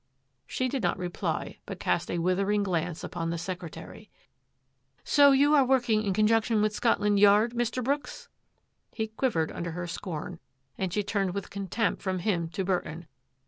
She did not reply, but cast a withering glance upon the secretary. " So you are working in conjunction with Scotland Yard, Mr. Brooks?" He quivered under her scorn, and she turned with contempt from him to Burton.